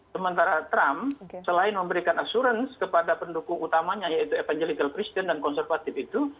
sementara trump selain memberikan assurance kepada pendukung utamanya yaitu evangelical christine dan konservatif itu